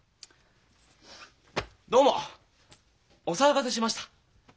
どうもお騒がせしました。